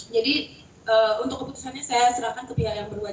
jadi untuk keputusannya saya serahkan ke pihak yang lainnya ya pak